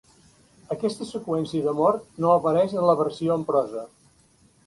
Aquesta seqüència de mort no apareix en la versió en prosa.